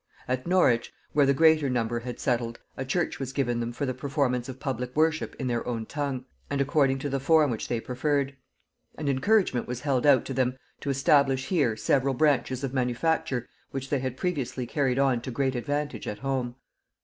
At Norwich, where the greater number had settled, a church was given them for the performance of public worship in their own tongue, and according to the form which they preferred; and encouragement was held out to them to establish here several branches of manufacture which they had previously carried on to great advantage at home.